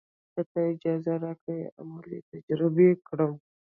که تۀ اجازه راکړې عملي تجربه یې کړم.